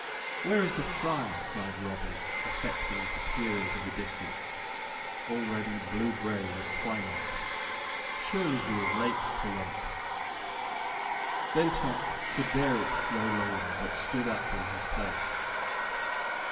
"Where is the friar?" cried Robin, affecting to peer into the distance, already blue grey with twilight. "Surely he is late to night." Then Tuck could bear it no longer, but stood up in his place.